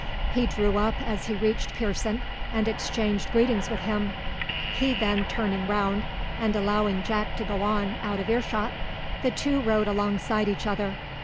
He drew up as he reached Pearson, and exchanged greetings with him. He then turning round, and allowing Jack to go on out of ear shot, the two rode alongside each other.